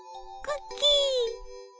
クッキー。